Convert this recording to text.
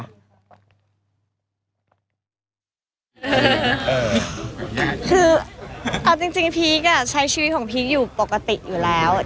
คือเอาจริงพีคใช้ชีวิตของพีคอยู่ปกติอยู่แล้ว